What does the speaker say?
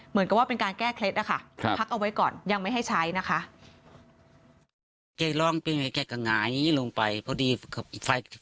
เหมือนกับว่าเป็นการแก้เคล็ดนะคะพักเอาไว้ก่อนยังไม่ให้ใช้นะคะ